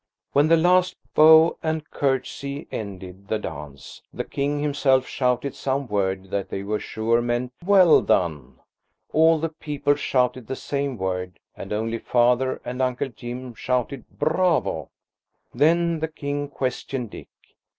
When the last bow and curtsey ended the dance, the King himself shouted some word that they were sure meant, "Well done!" All the people shouted the same word, and only Father and Uncle Jim shouted "Bravo!" Then the King questioned Dick.